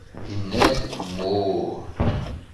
Inna-d: Mmuh!